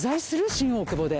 新大久保で。